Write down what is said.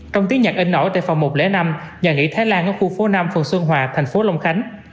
trong tiếng nhạc in nổi tại phòng một trăm linh năm nhà nghỉ thái lan ở khu phố năm phường xuân hòa thành phố long khánh